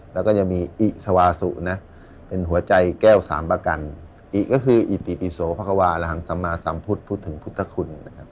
แล้วก็ยังมีอิสวาสุนะเป็นหัวใจแก้วสามประกันอิก็คืออิติปิโสพระควาระหังสมาสัมพุทธพูดถึงพุทธคุณนะครับ